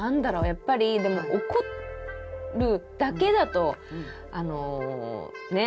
やっぱりでも怒るだけだとね